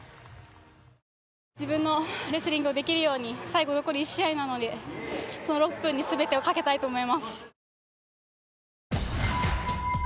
自分のレスリングができるように最後残り１試合なのでその６分に全てをかけたいと思います。